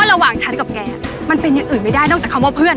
ระหว่างฉันกับแกมันเป็นอย่างอื่นไม่ได้นอกจากคำว่าเพื่อน